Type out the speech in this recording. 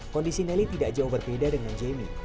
kondisi nelly tidak jauh berbeda dengan jamie